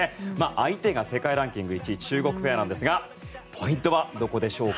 相手が世界ランキング１位中国ペアなんですがポイントはどこでしょうか？